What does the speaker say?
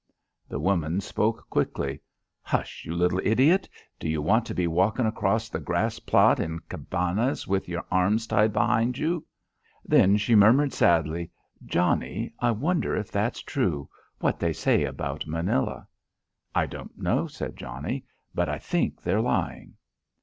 The woman spoke quickly. "Hush, you little idiot. Do you want to be walkin' across that grass plot in Cabanas with your arms tied behind you?" Then she murmured sadly: "Johnnie, I wonder if that's true what they say about Manila?" "I don't know," said Johnnie, "but I think they're lying."